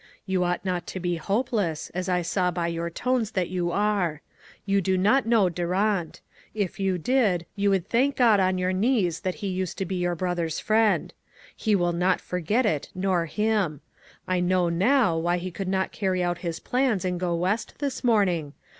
" You ought not to be hopeless, as I saw by your tones that you are. You do not know Durant ; if you did, you would thank God on your knees that he used to be your brother's friend. He will not forget it, nor him. I know, now, why he could not carry out his plans and go West this morning.